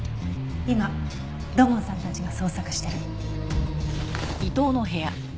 今土門さんたちが捜索してる。